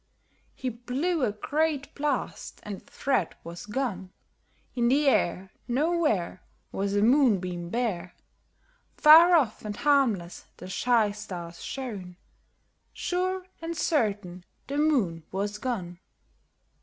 He blew a great blast, and the thread was gone; In the air Nowhere Was a moonbeam bare; Far off and harmless the shy stars shone; Sure and certain the Moon was gone.